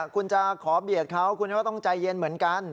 คุณจะขอเบียดเขาคุณก็ต้องใจเย็นเหมือนกัน